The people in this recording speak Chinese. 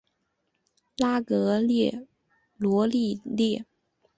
拉格罗利埃。